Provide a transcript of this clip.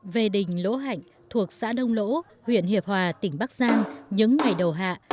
về đình lỗ hạnh thuộc xã đông lỗ huyện hiệp hòa tỉnh bắc giang những ngày đầu hạ